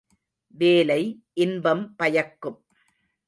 வேலை இன்பம் பயக்கும்.